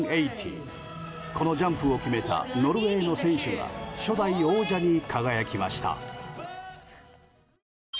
このジャンプを決めたノルウェーの選手が初代王者に輝きました。